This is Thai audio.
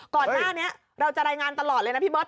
ก่อนหน้านี้เราจะรายงานตลอดเลยนะพี่เบิร์